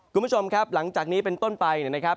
คุณผู้ชมครับหลังจากนี้เป็นต้นไปนะครับ